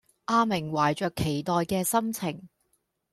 阿明懷著期待嘅心情